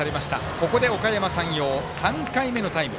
ここでおかやま山陽３回目のタイム。